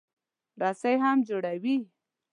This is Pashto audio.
رسۍ هم جوړوي.